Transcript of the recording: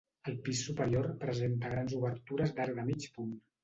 El pis superior presenta grans obertures d'arc de mig punt.